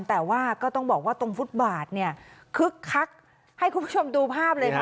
แต่ว่าก็ต้องบอกว่าตรงฟุตบาทเนี่ยคึกคักให้คุณผู้ชมดูภาพเลยค่ะ